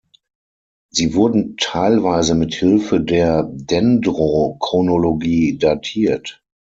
Sie wurden teilweise mit Hilfe der Dendrochronologie datiert.